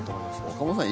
岡本さん